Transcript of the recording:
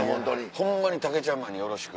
ホンマにタケちゃんマンによろしく。